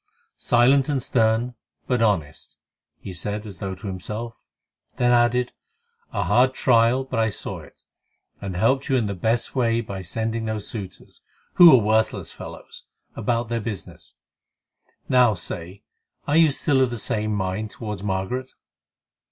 "Silent and stern, but honest," he said as though to himself, then added, "A hard trial, but I saw it, and helped you in the best way by sending those suitors—who were worthless fellows—about their business. Now, say, are you still of the same mind towards Margaret?"